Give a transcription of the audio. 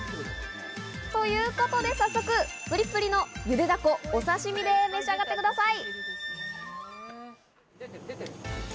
ということで早速プリプリのゆでダコ、お身で召し上がってください。